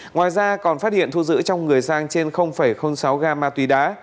ngoài ra còn phát hiện thu giữ trong người sang trên sáu gram ma túy đá